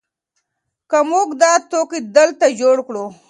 که موږ دا توکي دلته جوړ کړو.